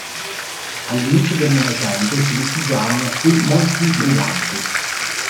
Agli inizi del Novecento si rifugiarono qui molti briganti.